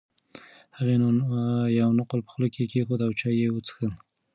هغې یو نقل په خوله کې کېښود او چای یې وڅښل.